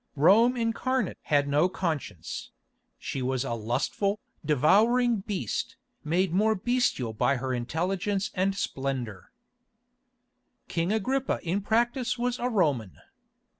Rome incarnate had no conscience; she was a lustful, devouring beast, made more bestial by her intelligence and splendour. King Agrippa in practice was a Roman.